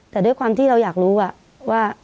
แต่ด้วยความที่เราอยากรู้ว่า